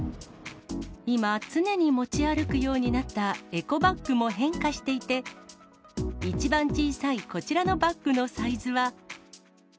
今、常に持ち歩くようになったエコバッグも変化していて、一番小さいこちらのバッグのサイズは。